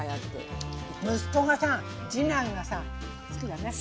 息子がさ次男がさ好きだね。